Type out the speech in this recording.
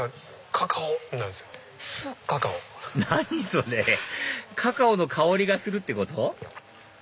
それカカオの香りがするってこと？